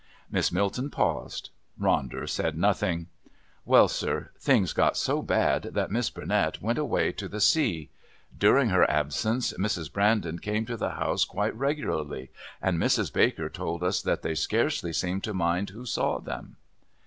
Miss Milton paused. Ronder said nothing. "Well, sir, things got so bad that Miss Burnett went away to the sea. During her absence Mrs. Brandon came to the house quite regularly, and Mrs. Baker told us that they scarcely seemed to mind who saw them."